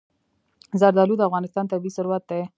زردالو د افغانستان طبعي ثروت دی.